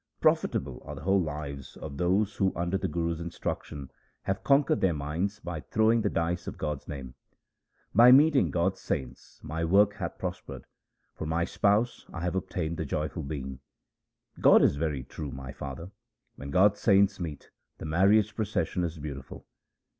Profitable are the whole lives of those who under the Guru's instruction have conquered their minds by throwing the dice of God's name. By meeting God's saints my work hath prospered ; for my spouse I have obtained the Joyful Being. God is very true, my father ; when God's saints meet, the marriage procession is beautiful.